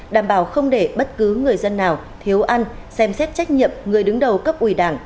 đảm bảo không để bất cứ người dân nào thiếu ăn xem xét trách nhiệm người đứng đầu cấp ủy đảng